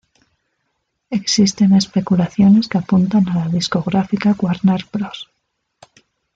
Existen especulaciones que apuntan a la discográfica Warner Bros.